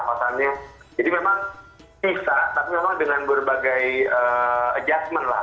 jadi memang bisa tapi memang dengan berbagai adjustment lah